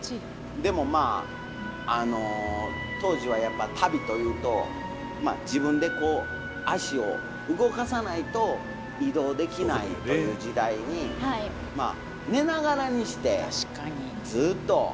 でもまああの当時はやっぱり旅というと自分でこう足を動かさないと移動できないという時代にまあ寝ながらにしてずっと勝手に移動できるということですから。